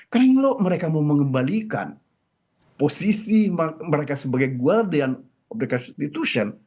karena kalau mereka mau mengembalikan posisi mereka sebagai guardian of the institution